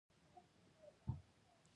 یوه ورځ زه تصادفا هوا خورۍ ته وتلی وم.